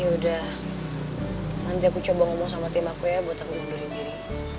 ya udah nanti aku coba ngomong sama tim aku ya buat aku mundurin diri